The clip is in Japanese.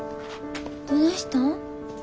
どないしたん？